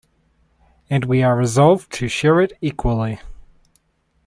And we are resolved to share it equally.